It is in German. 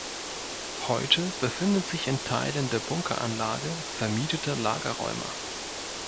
Heute befinden sich in Teilen der Bunkeranlage vermietete Lagerräume.